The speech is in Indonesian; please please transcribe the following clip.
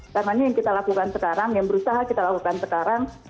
karena yang kita lakukan sekarang yang berusaha kita lakukan sekarang